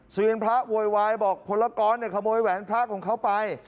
เสียงพระโวยวายบอกพลกรขโมยแหวนพระของเขาไป